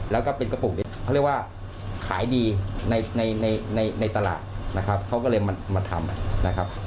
แล้วก็เป็นกระปุกเนี่ยเขาเรียกว่าขายดีในในตลาดนะครับเขาก็เลยมาทำนะครับ